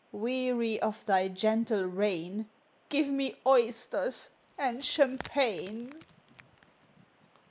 Weary of thy gentle reign Give me oysters and champagne!